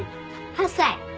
８歳。